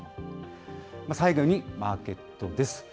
最後に、マーケットです。